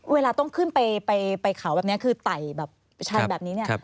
เวลาต้องขึ้นไปเขาแบบนี้คือไต่แบบชันแบบนี้เนี่ย